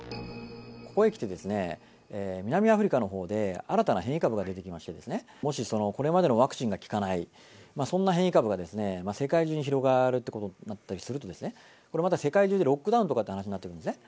ここへきて、南アフリカのほうで新たな変異株が出てきまして、もしこれまでのワクチンが効かない、そんな変異株が世界中に広がるってことになったりすると、これまた、世界中でロックダウンとかっていう話になってくるんですね。